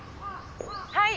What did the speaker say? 「はい」